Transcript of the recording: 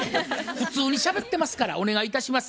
普通にしゃべってますからお願いいたします。